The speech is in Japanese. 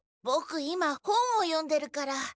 ボク今本を読んでるから。